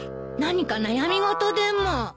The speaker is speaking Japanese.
何か悩み事でも？